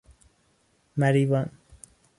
مریوان